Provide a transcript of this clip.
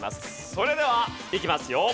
それではいきますよ。